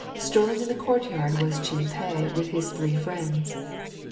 Strolling in the courtyard was Chih peh with his three friends.